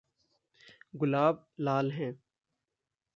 गुलाब लाल हैं।